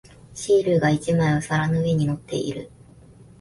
シールが一枚お皿の上に乗っている。